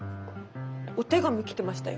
お手紙来てましたよ。